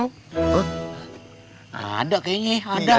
huh ada kayaknya ada